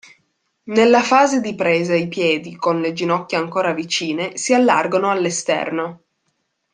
Nella fase di presa i piedi, con le ginocchia ancora vicine, si allargano all'esterno.